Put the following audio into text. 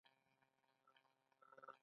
ساعت څه ښيي؟